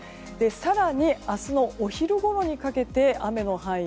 更に、明日のお昼ごろにかけて雨の範囲